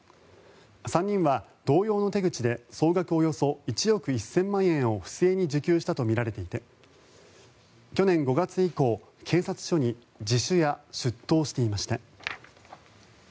３人は同様の手口で総額およそ１億１０００万円を不正に受給したとみられていて去年５月以降、警察署に自首や出頭していました。